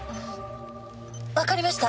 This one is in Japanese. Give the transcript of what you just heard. わかりました。